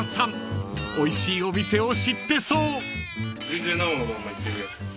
［おいしいお店を知ってそう］